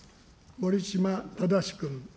守島正君。